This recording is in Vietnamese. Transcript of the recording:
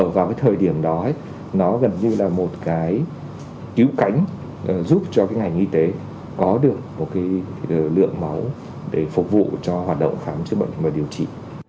vào cái thời điểm đó nó gần như là một cái cứu cánh giúp cho cái ngành y tế có được một lượng máu để phục vụ cho hoạt động khám chữa bệnh và điều trị